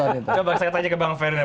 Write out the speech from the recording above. coba saya tanya ke bang ferna